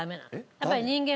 やっぱり人間